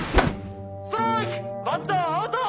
ストライクバッターアウト！